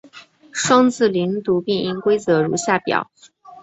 双字连读变音规则如下表。